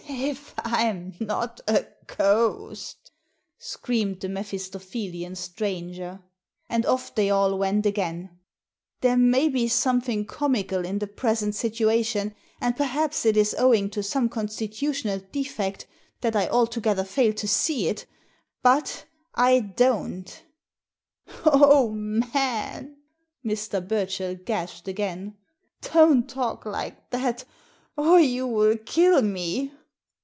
"If Fm not a ghost!" screamed the Mephisto phelian stranger. And off they all went again. " There may be something comical in the present situation, and perhaps it is owing to some constitu tional defect that I altogether fail to see it — but I don't!*' " Oh, man !" Mr. Burchell gasped again, " don't talk like that or you will kill me."